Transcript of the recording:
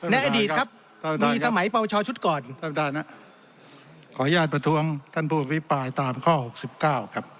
ในอดีตครับมีสมัยปวชชุดก่อนท่านประธานขออนุญาตประท้วงท่านผู้อภิปรายตามข้อหกสิบเก้าครับ